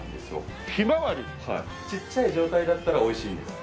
ちっちゃい状態だったら美味しいんです。